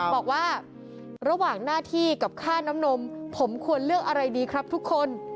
บอกว่าระหว่างหน้าที่กับค่าน้ำนมผมควรเลือกอะไรดีครับทุกคน